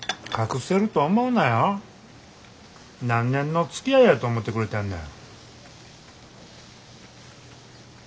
何年のつきあいやと思てくれてんねん。